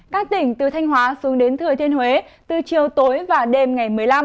các tỉnh từ thanh hóa xuống đến thừa thiên huế từ chiều tối và đêm ngày một mươi năm